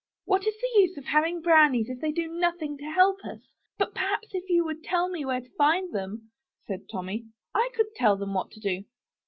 ''What is the use of having brownies if they do nothing to help us? But perhaps if you would tell me where to find them," said Tommy, "I could tell them what to do."